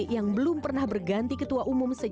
yang belum pernah berganti ketua umum